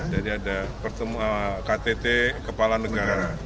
jadi ada ktt kepala negara